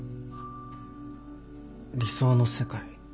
理想の世界？